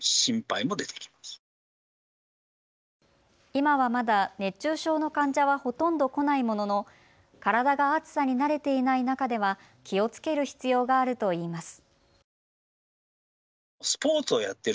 今はまだ熱中症の患者はほとんど来ないものの体が暑さに慣れていない中では気をつける必要があるといいます。